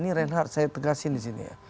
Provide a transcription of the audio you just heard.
ini reinhardt saya tegasin di sini ya